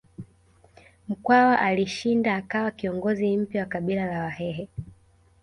Mkwawa alishinda akawa kiongozi mpya wa kabila la Wahehe